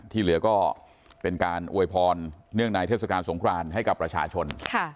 ที่เหลือก็เป็นการอวยพรเนื่องในเทศกาลสงครานให้กับประชาชน